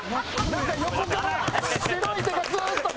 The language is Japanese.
なんか横から白い手がずーっと。